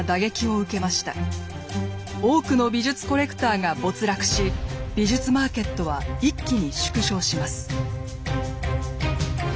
多くの美術コレクターが没落し美術マーケットは一気に縮小します。